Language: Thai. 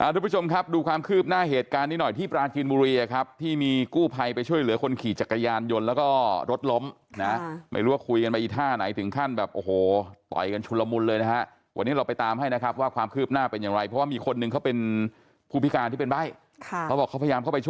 ทุกผู้ชมครับดูความคืบหน้าเหตุการณ์นี้หน่อยที่ปราจีนบุรีครับที่มีกู้ภัยไปช่วยเหลือคนขี่จักรยานยนต์แล้วก็รถล้มนะไม่รู้ว่าคุยกันไปอีท่าไหนถึงขั้นแบบโอ้โหต่อยกันชุลมุนเลยนะฮะวันนี้เราไปตามให้นะครับว่าความคืบหน้าเป็นอย่างไรเพราะว่ามีคนหนึ่งเขาเป็นผู้พิการที่เป็นใบ้ค่ะเขาบอกเขาพยายามเข้าไปช่วย